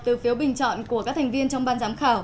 từ phiếu bình chọn của các thành viên trong ban giám khảo